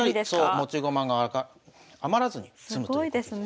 持ち駒が余らずに詰むということです。